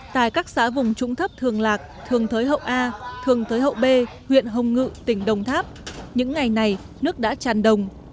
tại các xã vùng trũng thấp thường lạc thường thới hậu a thường thới hậu b huyện hồng ngự tỉnh đồng tháp những ngày này nước đã tràn đồng